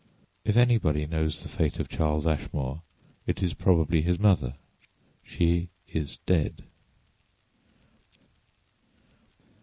If anybody knows the fate of Charles Ashmore it is probably his mother. She is dead.